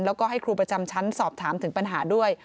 แล้วก็ให้ครูประจำชั้นสอบถามถึงปัญหาด้วย